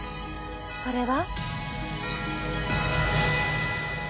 それは。